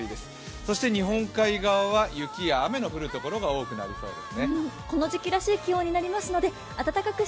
そして日本海側は雪や雨の降る所が多くなりそうです。